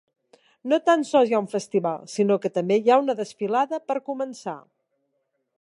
No tan sols hi ha un festival, sinó que també hi ha una desfilada per començar.